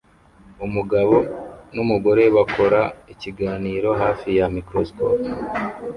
Umugabo numugore bakora ikiganiro hafi ya microscope